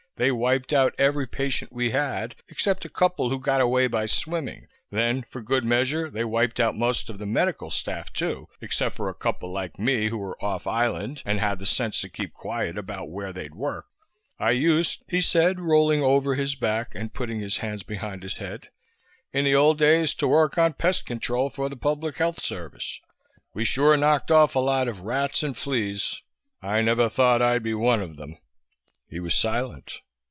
They wiped out every patient we had, except a couple who got away by swimming; then for good measure they wiped out most of the medical staff too, except for a couple like me who were off island and had the sense to keep quiet about where they'd worked. I used," he said, rolling over his back and putting his hands behind his head, "in the old days to work on pest control for the Public Health Service. We sure knocked off a lot of rats and fleas. I never thought I'd be one of them." He was silent.